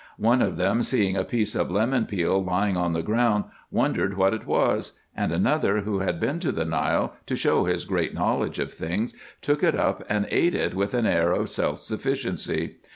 One of them seeing a piece of lemon peel lying on the ground, wondered what it was ; and another, who had been to the Nile, to show his great knowledge of things, took it up, and ate it with an air of self sufficiency.